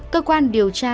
cơ quan điều tra